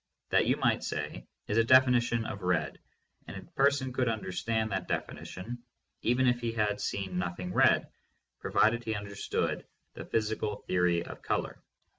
That, you might say, is a definition of "red" and a person could understand that definition even if he had seen nothing red, provided he understood the physical theory of color.